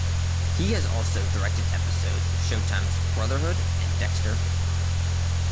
He has also directed episodes of Showtime's "Brotherhood" and "Dexter".